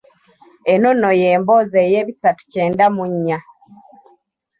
Eno nno y'emboozi ey'ebisatu kyenda mu nnya.